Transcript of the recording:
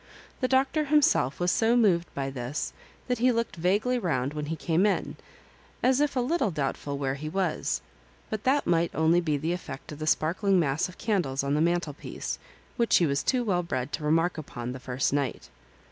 The Doctor himself was so moved by this, thajb he looked vaguely round when he came in, as if a little doubtful where he was — ^but that might only be the effect of the sparkling mass of candles on the mantelpiece, which he was too well bred to remark upon the first night.